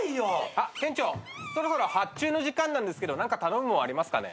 あっ店長そろそろ発注の時間なんですけど何か頼むもんありますかね？